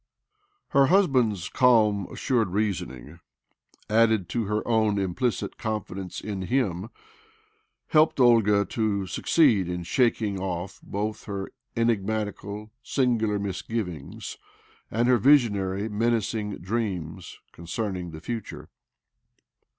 ... •Her husband's calm, assured reasoning, added to her own implicit confidence in him, helped Olga to succeed ip. shaking off both her enigmatical, singular misgivings and her visionary, menacing dreams concerning the future.